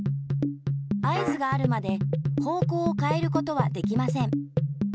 合図があるまで方こうをかえることはできません。